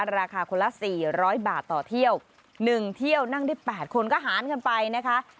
ราคาคนละ๔๐๐บาทต่อเที่ยว๑เที่ยวนั่งได้๘คนก็หารกันไปนะคะ